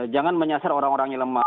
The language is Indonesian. jangan menyasar orang orang yang lemah